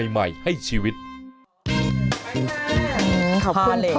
ษวมให้รัก